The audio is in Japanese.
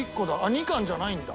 ２貫じゃないんだ？